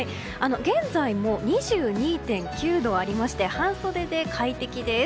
現在も、２２．９度ありまして半袖で快適です。